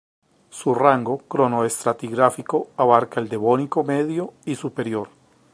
Su rango cronoestratigráfico abarca el Devónico medio y superior.